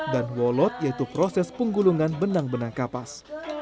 dan wolot yaitu proses penggulungan benang benang kapas